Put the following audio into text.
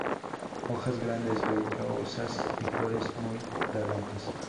Hojas grandes, vellosas y flores muy fragantes.